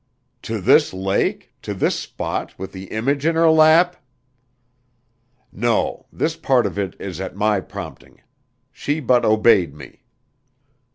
"To this lake to this spot with the image in her lap?" "No this part of it is at my prompting. She but obeyed me."